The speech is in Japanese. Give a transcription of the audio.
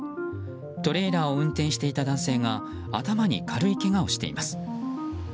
トレーラーを運転していた男性が頭に軽いけがをしています。